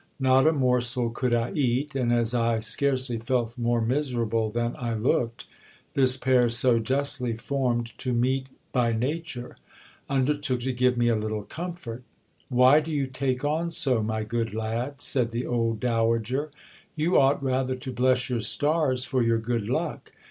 Not a morsel could I eat ; and, as I scarcely felt more miserable than I looked, this pair so justly formed to meet by nature, undertook to give me a little comfort. . Why do you take on so, my good lad ? said the old dowager : you ought rather to bless your stars for your good luck.